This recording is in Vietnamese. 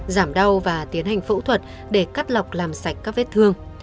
giảm đau và tiến hành phẫu thuật để cắt lọc làm sạch các vết thương